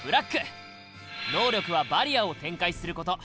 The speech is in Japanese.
能力はバリアを展開すること。